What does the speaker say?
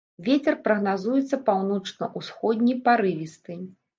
Вецер прагназуецца паўночна-ўсходні парывісты.